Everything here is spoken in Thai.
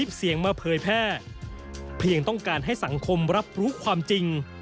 เพียงต้องการให้สังคมรับรู้ความจริง